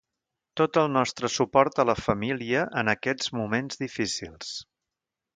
Tot el nostre suport a la família en aquests moments difícils.